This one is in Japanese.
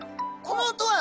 この音は！